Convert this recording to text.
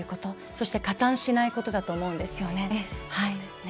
そして、加担しないことだと思うんですよね。